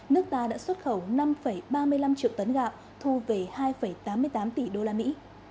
nước ta đã xuất khẩu năm ba mươi năm triệu tấn gạo thu về hai tám mươi tám tỷ đô la mỹ